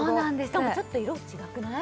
しかもちょっと色違くない？